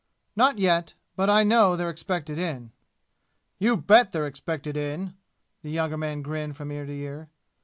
"Not yet. But I know they're expected in." "You bet they're expected in!" The younger man grinned from ear to ear.